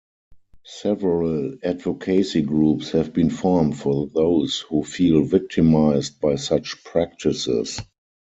Several advocacy groups have been formed for those who feel victimized by such practices.